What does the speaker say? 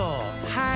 はい！